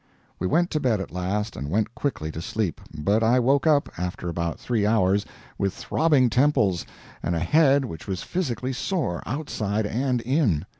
We went to bed, at last, and went quickly to sleep, but I woke up, after about three hours, with throbbing temples, and a head which was physically sore, outside and in.